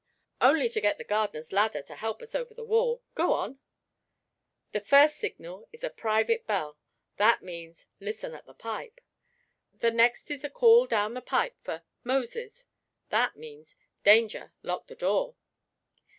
"Only to get the gardener's ladder to help us over the wall. Go on." "The first signal is a private bell that means, Listen at the pipe. The next is a call down the pipe for 'Moses' that means, _Danger! Lock the door.